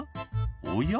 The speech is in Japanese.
「おや？